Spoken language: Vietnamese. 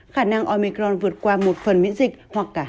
khả năng omicron vượt qua một phần miễn dịch hoặc cả hai